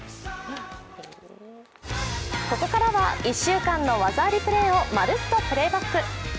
ここからは一週間の技ありプレーを「まるっと！Ｐｌａｙｂａｃｋ」。